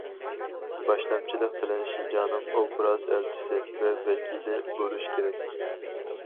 باشلامچىلىق بىلەن شىنجاڭنىڭ ئوبراز ئەلچىسى ۋە ۋەكىلى بولۇش كېرەك.